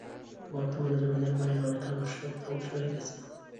বর্তমানে জমিদার বাড়ির অনেকাংশ ধ্বংস হয়ে গেছে।